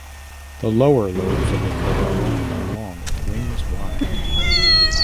The lower lobes of the corolla are long with wings wide.